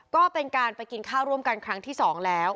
ก็เป็นการไปกินข้าวร่วมกันครั้งที่๒แล้ว